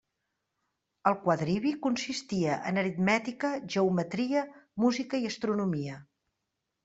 El quadrivi consistia en aritmètica, geometria, música i astronomia.